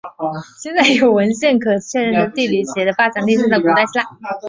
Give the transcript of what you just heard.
现在有文献可确认的地理学的发祥地是在古代希腊。